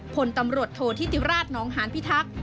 พลตำรวจโทษธิติราชนองหานพิทักษ์